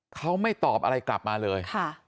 เขาไม่ตอบอะไรกลับมาเลย